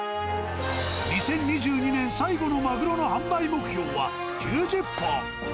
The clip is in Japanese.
２０２２年最後のマグロの販売目標は９０本。